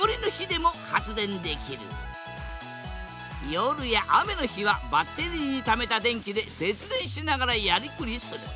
夜や雨の日はバッテリーにためた電気で節電しながらやりくりする。